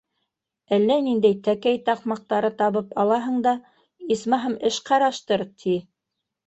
Әллә ниндәй тәкәй таҡмаҡтары табып алаһың да... исмаһам, эш ҡараштыр! — ти.